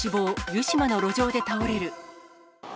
湯島の路上で倒れる。